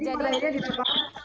jadi pada akhirnya di depan